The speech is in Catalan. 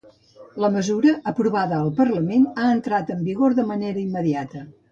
La mesura, aprovada al parlament, ha entrat en vigor de manera immediata.